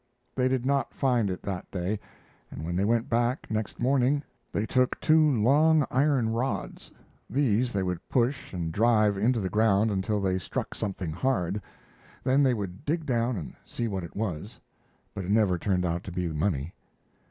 They did not find it that day, and when they went back next morning they took two long iron rods; these they would push and drive into the ground until they struck something hard. Then they would dig down to see what it was, but it never turned out to be money.